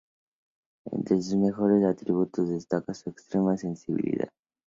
Entre sus mejores atributos destaca su extrema sensibilidad.